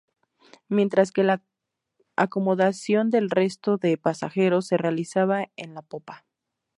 Mientras que la acomodación del resto de pasajeros se realizaba en la popa.